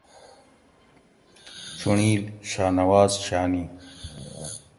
چُنڑیل : شاہ نواز شا۟نی